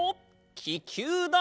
ききゅうだ！